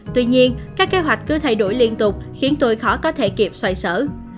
tuy nhiên các kế hoạch cứ thay đổi liên tục khiến tôi khó có thể kịp xoay sở